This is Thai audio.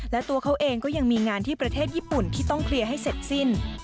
และตัวเขาเองก็ยังมีงานที่ประเทศญี่ปุ่นที่ต้องเคลียร์ให้เสร็จสิ้น